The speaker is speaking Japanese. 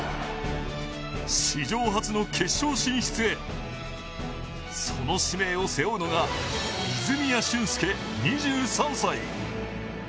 史上初の決勝進出へ、その使命を背負うのが泉谷駿介、２３歳。